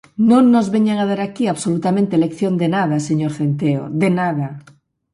¡Non nos veñan dar aquí absolutamente lección de nada, señor Centeo, de nada!